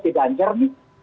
tidak anggar nih